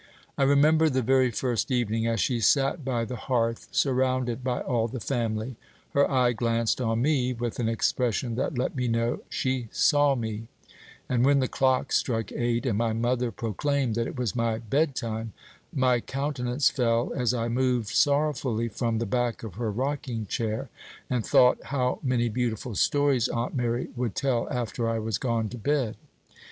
I remember the very first evening, as she sat by the hearth, surrounded by all the family, her eye glanced on me with an expression that let me know she saw me; and when the clock struck eight, and my mother proclaimed that it was my bedtime, my countenance fell as I moved sorrowfully from the back of her rocking chair, and thought how many beautiful stories Aunt Mary would tell after I was gone to bed.